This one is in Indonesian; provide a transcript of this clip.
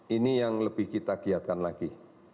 ini yang lebih kita giatkan lagi